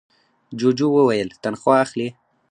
جوجو وویل تنخوا اخلې؟